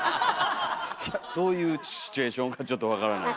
どういうシチュエーションかちょっと分からない。